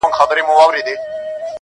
دا ستا ښكلا ته شعر ليكم,